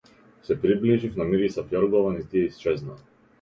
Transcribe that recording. Се приближив, намирисав јоргован и тие исчезнаа.